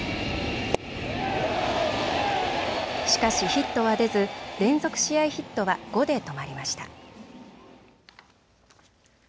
しかしヒットは出ず、連続試合ヒットは５で止まりました。